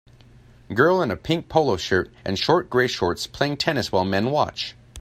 Girl in a pink polo shirt and short gray shorts playing tennis while men watch.